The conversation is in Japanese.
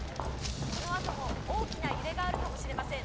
このあとも大きな揺れがあるかもしれません。